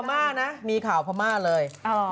มานะมีข่าวพม่าเลย